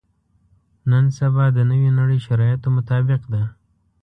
نن سبا د نوې نړۍ شرایطو مطابق ده.